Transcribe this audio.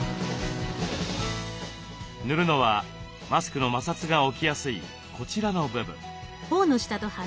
塗るのはマスクの摩擦が起きやすいこちらの部分。